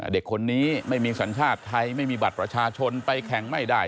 เด็กคนนี้ไม่มีสัญชาติไทยไม่มีบัตรประชาชนไปแข่งไม่ได้